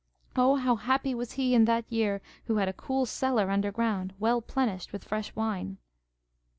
O how happy was he in that year who had a cool cellar under ground, well plenished with fresh wine!